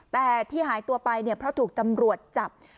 แต่ที่หายตัวไปเนี่ยเพราะถูกตำรวจจับ